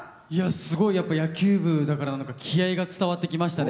すごい、野球部だから気合いが伝わってきましたね。